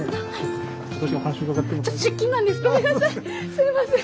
すいません。